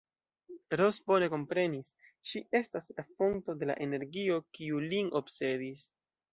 Ros bone komprenis, ŝi estas la fonto de la energio, kiu lin obsedis.